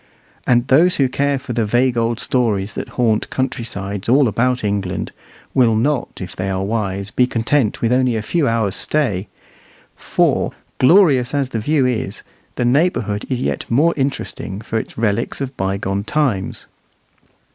And those who care for the vague old stories that haunt country sides all about England, will not, if they are wise, be content with only a few hours' stay; for, glorious as the view is, the neighbourhood is yet more interesting for its relics of bygone times.